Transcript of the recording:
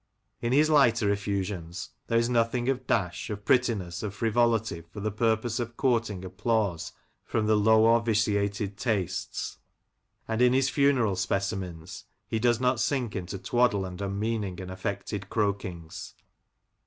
In his lighter efiusions there is nothing of dash, of prettiness, or frivolity for the purpose of courting applause from low or vitiated tastes ; and in his funeral specimens he does not sink into twaddle and unmeaning and affected croakings.